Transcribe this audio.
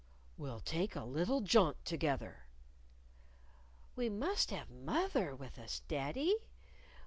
"We'll take a little jaunt together." "We must have moth er with us, daddy.